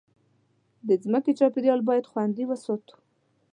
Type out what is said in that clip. د مځکې چاپېریال باید خوندي وساتو.